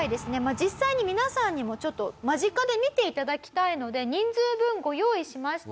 実際に皆さんにもちょっと間近で見ていただきたいので人数分ご用意しました。